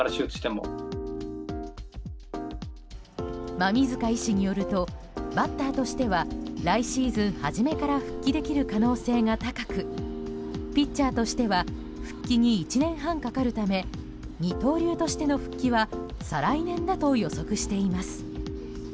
馬見塚医師によるとバッターとしては来シーズン初めから復帰できる可能性が高くピッチャーとしては復帰に１年半かかるため二刀流としての復帰は再来年だと予測しています。